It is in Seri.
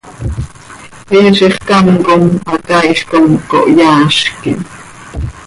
He zixcám com hacaaiz com cohyaazquim.